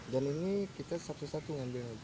dan ini kita satu satu ngambil ya ibu